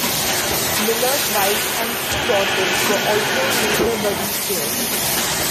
Miller's wife and two daughters were also later buried here.